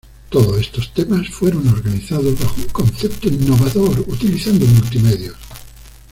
Todos estos temas fueron organizados bajo un concepto innovador utilizando multimedios.